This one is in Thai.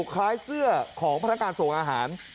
คล้ายเสื้อของพนักการส่งอาหาร